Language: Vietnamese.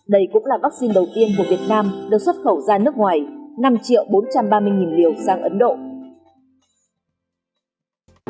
đây cũng là vaccine đầu tiên của việt nam được xuất khẩu ra nước ngoài năm bốn trăm ba mươi liều sang ấn độ